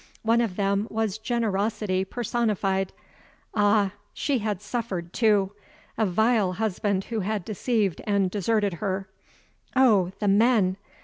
One of them was generosity personified ah, she had suffered, too! A vile husband who had deceived and deserted her. Oh, the men!